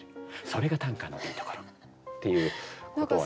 それが短歌のいいところっていうことをね。